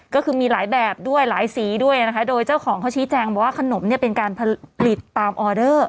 ก็คือมีหลายแบบด้วยหลายสีด้วยนะคะโดยเจ้าของเขาชี้แจงบอกว่าขนมเนี่ยเป็นการผลิตตามออเดอร์